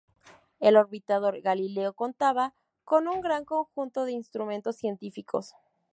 El orbitador Galileo contaba con un gran conjunto de instrumentos científicos.